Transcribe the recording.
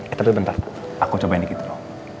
eh tapi bentar aku cobain dikit dulu